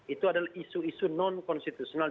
itu adalah isu isu non konstitusional